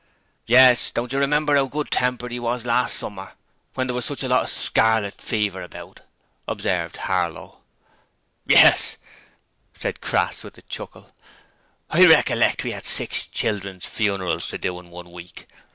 'Yes: don't you remember 'ow good tempered 'e was last summer when there was such a lot of Scarlet Fever about?' observed Harlow. 'Yes,' said Crass with a chuckle. 'I recollect we 'ad six children's funerals to do in one week.